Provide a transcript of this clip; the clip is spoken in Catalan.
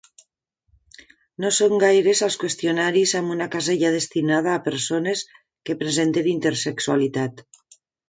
No són gaires els qüestionaris amb una casella destinada a persones que presenten intersexualitat.